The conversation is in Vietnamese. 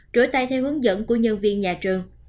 rửa tay theo hướng dẫn của nhân viên nhà trường